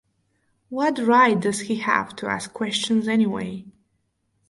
What right does he have to ask questions anyway?